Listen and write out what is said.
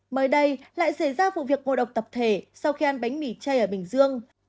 mới đây lại xảy ra vụ việc ngộ độc tập thể sau khi ăn bánh mì chay ở bình dương